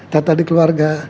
tata di keluarga